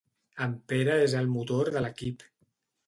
En Pere és el motor de l'equip.